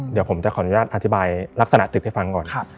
เดี๋ยวผมจะขออนุญาตอธิบายลักษณะตึกให้ฟังก่อน